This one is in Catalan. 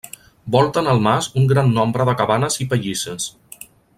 Volten el mas un gran nombre de cabanes i pallisses.